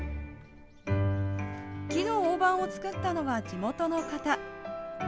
木のオオバンを作ったのは、地元の方。